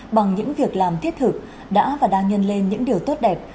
bằng những việc làm thiết thực đã và đang nhân lên những điều tốt đẹp